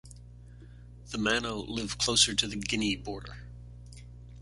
The Mano live closer to the Guinea border.